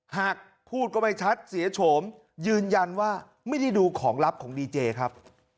หากพูดก็ไม่ชัดเสียโฉมยืนยันว่าไม่ได้ดูของลับของดีเจครับ